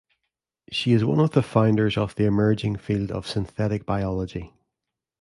She is one of the founders of the emerging field of Synthetic Biology.